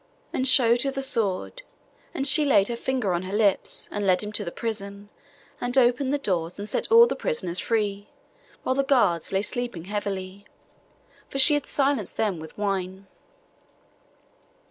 and showed her the sword; and she laid her finger on her lips, and led him to the prison, and opened the doors, and set all the prisoners free, while the guards lay sleeping heavily; for she had silenced them with wine.